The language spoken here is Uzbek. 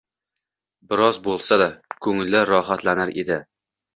bir oz bo'lsada ko'ngli rohatlanar edi.